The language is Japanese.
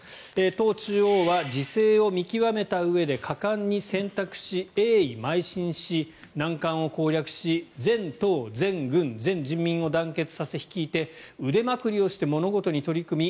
党中央は時勢を見極めたうえで果敢に選択し、鋭意まい進し難関を攻略し全党、全軍、全人民を団結させ率いて腕まくりをして物事に取り組み